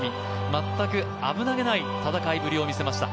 全く危なげない戦いぶりを見せました。